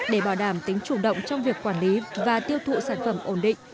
để bảo đảm tính chủ động trong việc quản lý và tiêu thụ sản phẩm ổn định